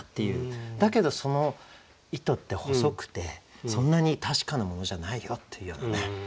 だけどその糸って細くてそんなに確かなものじゃないよというようなね。